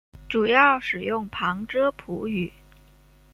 主要使用旁遮普语。